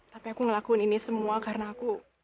tapi aku ngelakuin ini semua karena aku